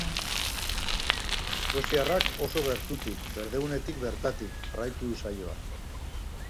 Eskoziarrak oso gertutik, berdegunetik bertatik, jarraitu du saioa.